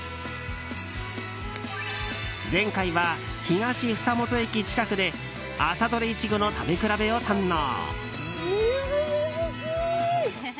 前回は東総元駅近くで朝どれイチゴの食べ比べを堪能。